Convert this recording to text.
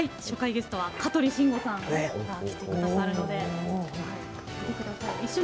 初回ゲストは香取慎吾さんが来てくださるので見てください。